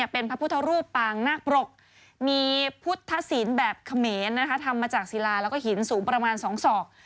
พุทธศีลแบบเขมรทำมาจากศิลาและหินสูงประมาณ๒ศอก